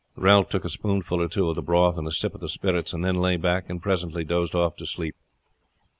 Ralph took a spoonful or two of the broth, and a sip of the spirits, and then lay back and presently dozed off to sleep.